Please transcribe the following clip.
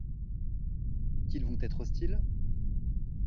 Qu’ils vont être hostiles ?